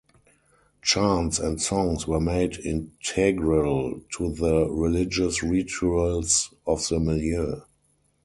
Chants and songs were made integral to the religious rituals of the milieu.